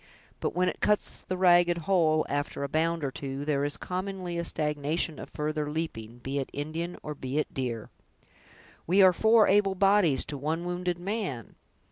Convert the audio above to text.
But when it cuts the ragged hole, after a bound or two, there is, commonly, a stagnation of further leaping, be it Indian or be it deer!" "We are four able bodies, to one wounded man!"